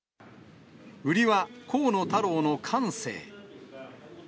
売りは、河野太郎の感性。